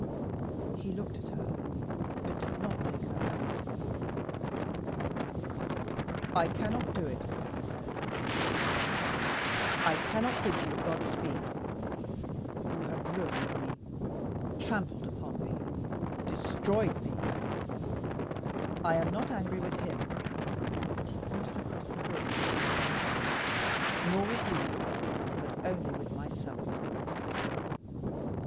'" He looked at her, but did not take her hand. "I cannot do it," he said. "I cannot bid you 'God speed.' You have ruined me, trampled upon me, destroyed me. I am not angry with him," and he pointed across the room to Harry Annesley; "nor with you; but only with myself."